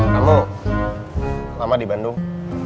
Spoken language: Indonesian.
kamu lama di bandung